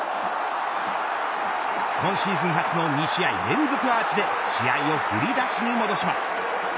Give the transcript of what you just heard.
今シーズン初の２試合連続アーチで試合を振り出しに戻します。